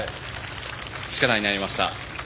力になりました。